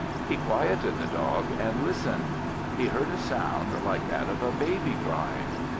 He quieted the dog and listened. He heard a sound like that of a baby crying.